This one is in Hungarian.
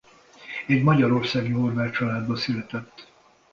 Egy magyarországi horvát családba született.